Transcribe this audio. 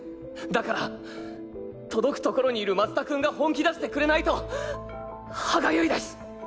だから届くところにいる松田君が本気出してくれないと歯痒いです。